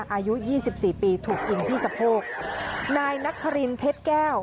อายุยี่สิบสี่ปีถูกยิงที่สะโพกนายนครินเพชรแก้ว